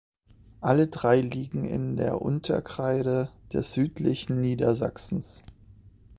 Alle drei liegen in der Unterkreide des südlichen Niedersachsens.